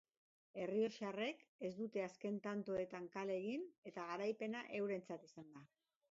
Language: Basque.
Errioxarrek ez dute azken tantoetan kale egin eta garaipena eurentzat izan da.